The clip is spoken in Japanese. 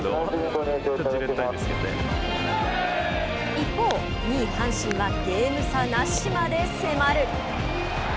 一方、２位阪神はゲーム差なしまで迫る。